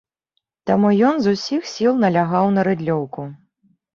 Таму ён з усіх сіл налягаў на рыдлёўку.